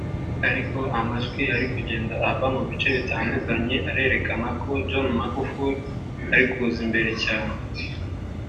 ariko amajwi ari kugenda ava mu bice bitandukanye arerekana ko John Magufuli ari kuza imbere cyane